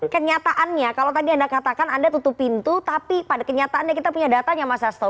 kenyataannya kalau tadi anda katakan anda tutup pintu tapi pada kenyataannya kita punya datanya mas hasto